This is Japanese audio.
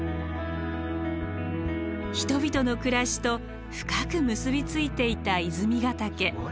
人々の暮らしと深く結び付いていた泉ヶ岳。